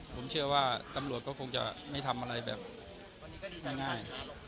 ผมเชื่อว่าตำรวจก็คงจะไม่ทำอะไรแบบง่าย